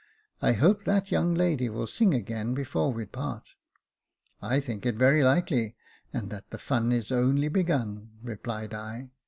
I hope that young lady will sing again before we part." " I think it very likely, and that the fun is only begun," replied I.